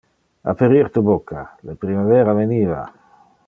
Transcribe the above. Aperir tu bucca! Le primavera veniva.